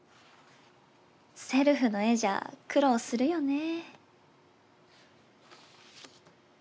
せるふの絵じゃ苦労するよねぇ。